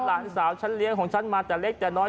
หลานสาวฉันเลี้ยงของฉันมาแต่เล็กแต่น้อย